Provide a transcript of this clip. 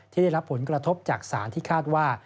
ได้รับผลกระทบจากสารที่คาดว่า